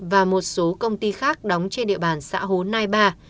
và một số công ty khác đóng trên địa bàn xã hồ nai ba